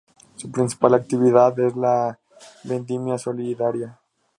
Su principal actividad es la Vendimia Solidaria.